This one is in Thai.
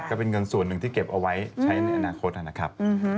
ก็เป็นเงินส่วนหนึ่งที่เก็บเอาไว้ใช้ในอนาคตนะครับ